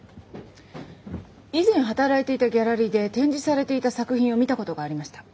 以前働いていたギャラリーで展示されていた作品を見たことがありました。